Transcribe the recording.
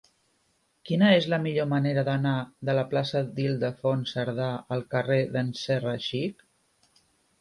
Quina és la millor manera d'anar de la plaça d'Ildefons Cerdà al carrer d'en Serra Xic?